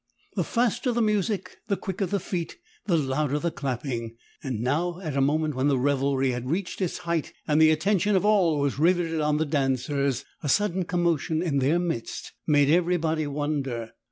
The faster the music, the quicker the feet, the louder the clapping. And now, at a moment when the revelry had reached its height and the attention of all was riveted on the dancers, a sudden commotion in their midst made everybody wonder.